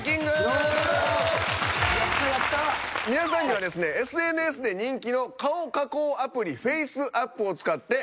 皆さんにはですねＳＮＳで人気の顔加工アプリＦａｃｅＡｐｐを使って。